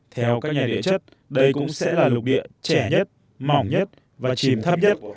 theo các nhà địa chất đây cũng sẽ là lục địa trẻ nhất mỏng nhất và chìm thấp nhất